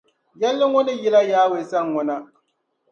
Yɛlli ŋɔ ni yila Yawɛ sani ŋɔ na.